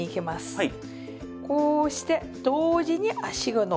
はい。